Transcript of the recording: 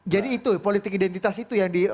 jadi itu politik identitas itu yang di